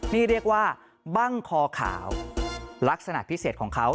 นี่เรียกว่าบั้งคอขาวลักษณะพิเศษของเขา